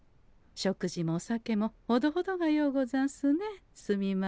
食事もお酒もほどほどがようござんすね墨丸。